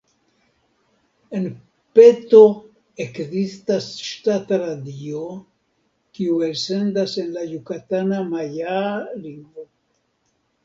En Peto ekzistas ŝtata radio, kiu elsendas en la jukatana majaa lingvo.